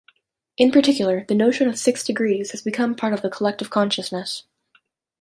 In particular, the notion of six degrees has become part of the collective consciousness.